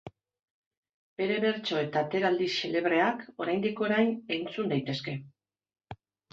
Bere bertso eta ateraldi xelebreak oraindik orain entzun daitezke.